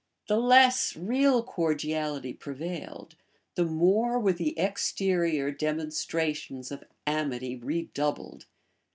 The less real cordiality prevailed, the more were the exterior demonstrations of amity redoubled.